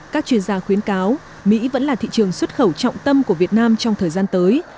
các chuyên gia khuyến cáo mỹ vẫn là thị trường xuất khẩu trọng tâm của việt nam trong thời gian tới